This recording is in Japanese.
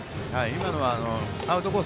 今のはアウトコース